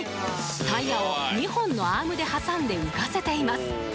タイヤを２本のアームで挟んで浮かせています